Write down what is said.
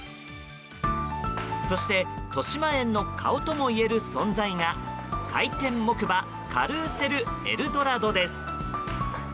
そしてとしまえんの顔ともいえる存在が回転木馬カルーセルエルドラドです。